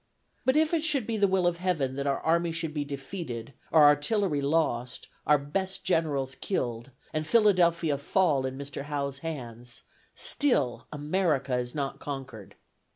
... But if it should be the will of Heaven that our army should be defeated, our artillery lost, our best generals killed, and Philadelphia fall in Mr. Howe's hands, still America is not conquered."